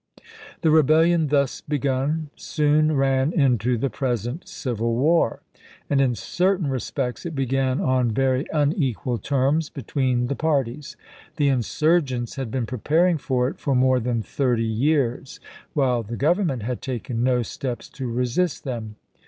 The rebellion thus begun soon ran into the present civil war; and, in certain respects, it began on very unequal terms between the parties. The insurgents had been preparing for it for more than thirty years, while the Government had taken no steps to resist them.